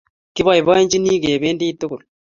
Kiboiboityinchi kependi tugul